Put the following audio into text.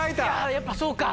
やっぱそうか。